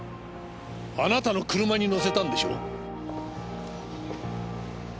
あなたの車に乗せたんでしょう。